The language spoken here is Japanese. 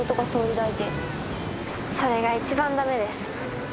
それが一番駄目です。